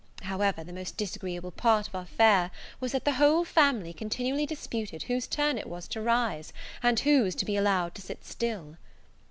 However, the most disagreeable part of our fare was that the whole family continually disputed whose turn it was to rise, and whose to be allowed to sit still.